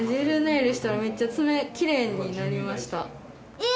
えっ！